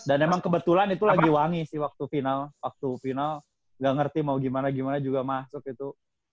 dan emang kebetulan itu lagi wangi sih waktu final waktu final gak ngerti mau gimana gimana juga masuk gitu